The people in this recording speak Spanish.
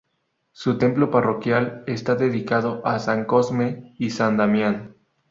Su templo parroquial está dedicado a San Cosme y San Damián.